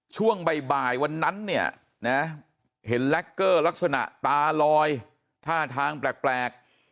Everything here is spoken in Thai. ช่วงบ่ายวันนั้นเนี่ยนะเห็นแล็กเกอร์ลักษณะตาลอยท่าทางแปลก